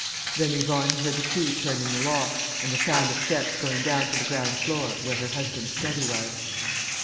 Then Yvonne heard the key turn in the lock and the sound of steps going down to the ground floor, where her husband's study was.